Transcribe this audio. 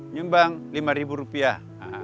nyumbang lima rupiah